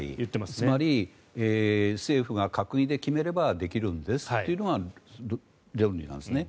つまり、政府が閣議で決めればできるんですというのが論理なんですね。